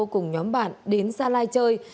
cùng nhóm bạn đến gia lai chơi